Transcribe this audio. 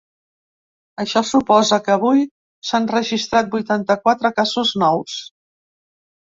Això suposa que avui s’han registrat vuitanta-quatre casos nous.